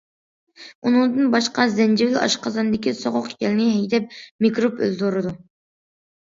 ئۇنىڭدىن باشقا، زەنجىۋىل ئاشقازاندىكى سوغۇق يەلنى ھەيدەپ، مىكروب ئۆلتۈرىدۇ.